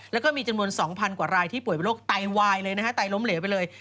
แล้วก็มีจำนวน๒๐๐กว่ารายที่ป่วยเป็นโรคไตวายเลยนะฮะไตล้มเหลวไปเลย